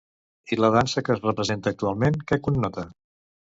I la dansa que es representa actualment, què connota?